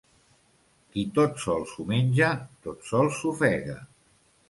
Qui tot sol s'ho menja, tot sol s'ofega.